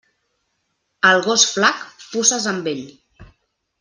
Al gos flac, puces amb ell.